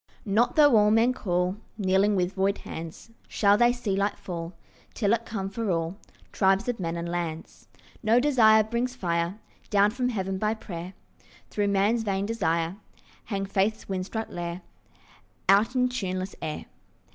Not though all men call, Kneeling with void hands, Shall they see light fall Till it come for all Tribes of men and lands. No desire brings fire Down from heaven by prayer, Though man's vain desire Hang faith's wind struck lyre Out in tuneless air.